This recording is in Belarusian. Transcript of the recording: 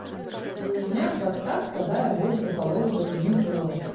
Даўжыня хваста складае больш за палову даўжыні тулава.